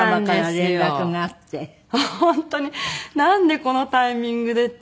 本当になんでこのタイミングで？っていう。